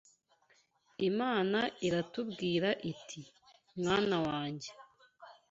Imana iratubwira iti: “Mwana wanjye